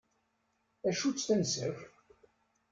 Acu-tt tansa-k?